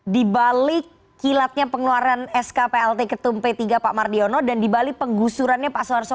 di balik kilatnya pengeluaran sk plt ketum p tiga pak mardiono dan dibalik penggusurannya pak soeharto